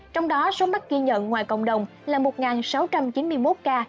trong đó số mắc ghi nhận ngoài cộng đồng là một sáu trăm chín mươi một ca